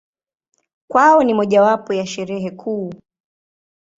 Kwao ni mojawapo ya Sherehe kuu.